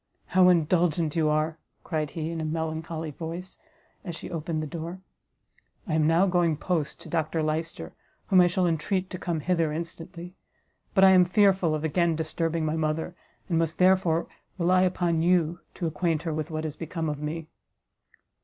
"How indulgent you are," cried he, in a melancholy voice, as she opened the door; "I am now going post to Dr Lyster, whom I shall entreat to come hither instantly; but I am fearful of again disturbing my mother, and must therefore rely upon you to acquaint her what is become of me."